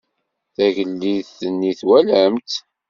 Tagellidt-nni twalamt-tt?